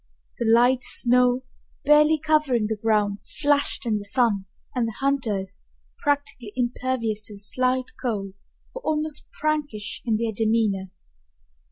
The light snow, barely covering the ground, flashed in the sun, and the hunters, practically impervious to the slight cold, were almost prankish in their demeanor.